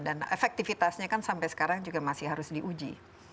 dan efektivitasnya kan sampai sekarang juga masih harus diuji